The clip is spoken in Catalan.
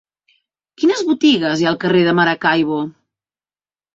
Quines botigues hi ha al carrer de Maracaibo?